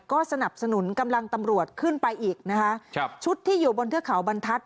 ก็สนับสนุนกำลังตำรวจขึ้นไปอีกนะคะครับชุดที่อยู่บนเทือกเขาบรรทัศน